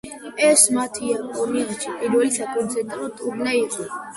ეს მათი იაპონიაში პირველი საკონცერტო ტურნე იყო.